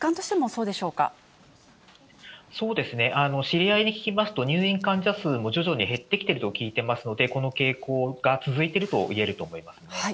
そうですね、知り合いに聞きますと、入院患者数も徐々に減ってきていると聞いていますので、この傾向が続いているといえると思いますね。